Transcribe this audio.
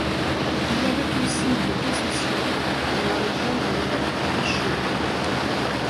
Il avait aussi des possessions dans la région de Wischau.